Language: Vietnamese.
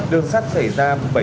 đường sắt xảy ra